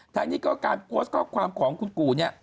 อย่างงั้นทางนี้ก็ความของคุณกู่เนี่ย